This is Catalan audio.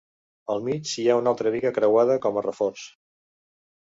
Al mig hi ha una altra biga creuada com a reforç.